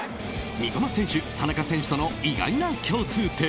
三笘選手、田中選手との意外な共通点。